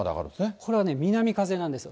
これはね、南風なんですよ。